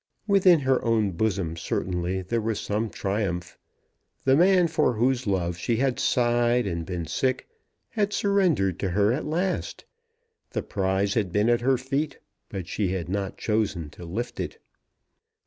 Within her own bosom certainly there was some triumph. The man for whose love she had sighed and been sick had surrendered to her at last. The prize had been at her feet, but she had not chosen to lift it.